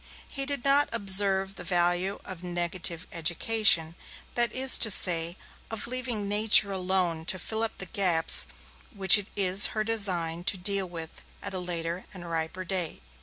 He did not observe the value of negative education, that is to say, of leaving Nature alone to fill up the gaps which it is her design to deal with at a later and riper date.